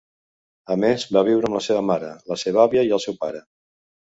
A més va viure amb la seva mare, la seva àvia i el seu pare.